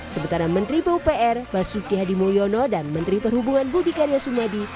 sebenarnya menteri pupr basuki hadimuyono dan menteri perhubungan budi karya sumadi